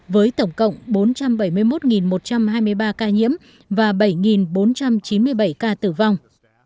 với tổng cộng bốn trăm bảy mươi một một trăm hai mươi ba ca nhiễm và bảy bốn trăm chín mươi bảy ca tử vong